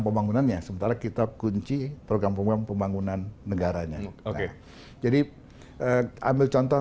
pembangunannya sementara kita kunci program program pembangunan negaranya nah jadi ambil contoh